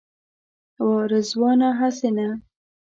وا رضوانه هسې نه.